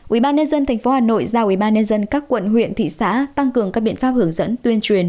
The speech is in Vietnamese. ubnd tp hà nội giao ubnd các quận huyện thị xã tăng cường các biện pháp hướng dẫn tuyên truyền